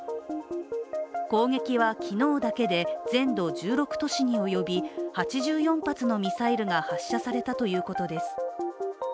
攻撃は昨日だけで全土１６都市に及び８４発のミサイルが発射されたということです。